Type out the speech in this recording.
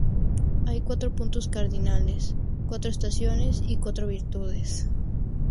Hay cuatro puntos cardinales, cuatro estaciones, y cuatro virtudes.